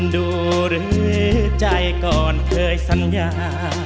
ดูหรือใจก่อนเคยสัญญา